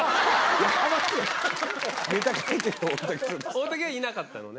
大竹はいなかったのね？